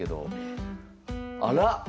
あら！